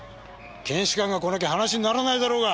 検視官が来なきゃ話にならないだろうが！